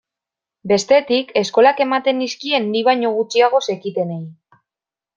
Bestetik, eskolak ematen nizkien ni baino gutxiago zekitenei.